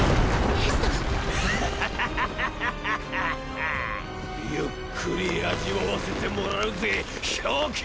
レイさんハハハハハハッゆっくり味わわせてもらうぜ冰剣！